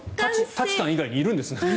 舘さん以外にいるんですね。